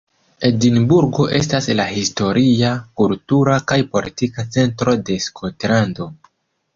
Edinburgo estas la historia, kultura kaj politika centro de Skotlando.